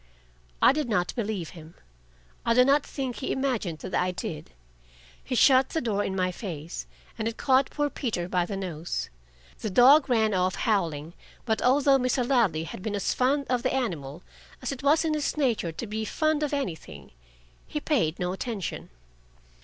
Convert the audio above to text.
I did not believe him. I do not think he imagined that I did. He shut the door in my face, and it caught poor Peter by the nose. The dog ran off howling, but although Mr. Ladley had been as fond of the animal as it was in his nature to be fond of anything, he paid no attention.